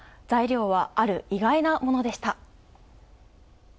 材料はある意外なものでした。